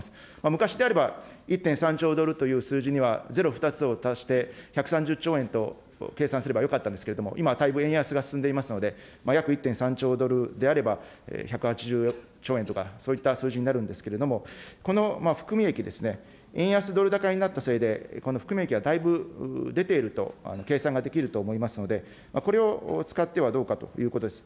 昔であれば、１．３兆ドルという数字にはゼロ２つを足して、１３０兆円と計算すればよかったんですけれども、今はだいぶ円安が進んでおりますので、約１．３兆ドルであれば、１８０兆円とか、そういった数字になるんですけれども、この含み益ですね、円安ドル高になったせいで、この含み益がだいぶ出ていると、計算ができると思いますので、これを使ってはどうかということです。